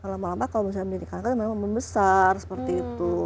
lama lama kalau misalnya mendidik kanker memang membesar seperti itu